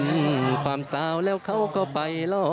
และก็มีการกินยาละลายริ่มเลือดแล้วก็ยาละลายขายมันมาเลยตลอดครับ